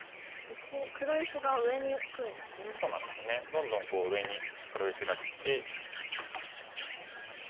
どんどん上に黒石がきて。